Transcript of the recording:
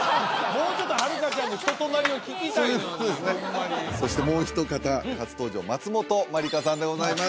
もうちょっと遥ちゃんの人となりを聞きたいのにホンマにそしてもう一方初登場松本まりかさんでございます